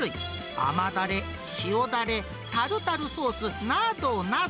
甘だれ、塩だれ、タルタルソースなどなど。